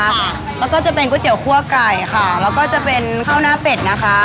แล้วก็จะเป็นก๋วยเตี๋ยคั่วไก่ค่ะแล้วก็จะเป็นข้าวหน้าเป็ดนะคะ